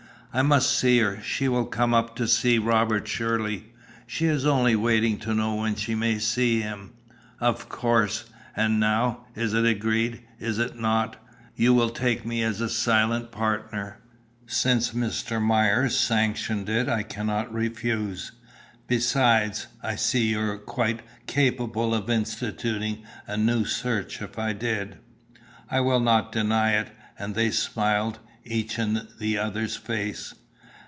"I must see her. She will come up to see Robert, surely!" "She is only waiting to know when she may see him." "Of course. And now, it is agreed, is it not? You will take me as a silent partner?" "Since Mr. Myers sanctions it I cannot refuse. Besides, I see you are quite capable of instituting a new search, if I did." "I will not deny it." And they smiled, each in the other's face.